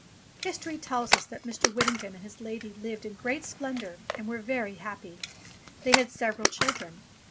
History tells us that Mr. Whittington and his lady lived in great splendour, and were very happy. They had several children.